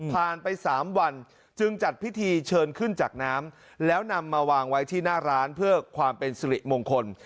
ไป๓วันจึงจัดพิธีเชิญขึ้นจากน้ำแล้วนำมาวางไว้ที่หน้าร้านเพื่อความเป็นสิริมงคล